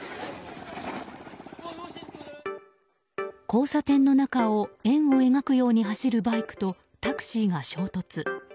交差点の中を円を描くように走るバイクとタクシーが衝突。